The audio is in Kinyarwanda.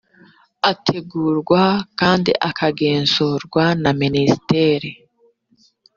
ategurwa kandi akagenzurwa na ministeri